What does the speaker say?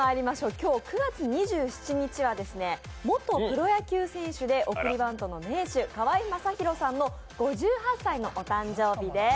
今日９月２７日は、元プロ野球選手で送りバントの名手、川相昌弘さんの５８歳のお誕生日です。